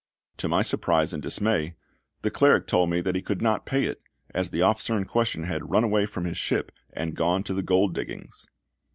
To my surprise and dismay the cleric told me that he could not pay it, as the officer in question had run away from his ship and gone to the gold diggings.